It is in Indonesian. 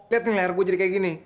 liat nih layar gue jadi kayak gini